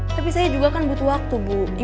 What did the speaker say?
tapi saya juga kan butuh waktu bu